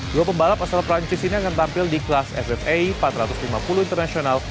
dua pembalap asal perancis ini akan tampil di kelas ffa empat ratus lima puluh internasional